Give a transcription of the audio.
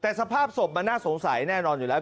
แต่สภาพศพมันน่าสงสัยแน่นอนอยู่แล้ว